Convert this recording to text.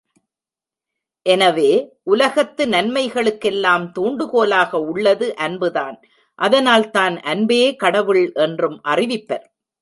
எனவே உலகத்து நன்மைகளுக்கு எல்லாம் தூண்டுகோலாக உள்ளது அன்புதான் அதனால்தான் அன்பே கடவுள் என்றும் அறிவிப்பர்.